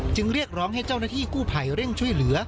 เรียกร้องให้เจ้าหน้าที่กู้ภัยเร่งช่วยเหลือ